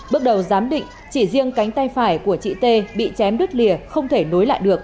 bước đầu giám định chỉ riêng cánh tay phải của chị t bị chém đứt lìa không thể nối lại được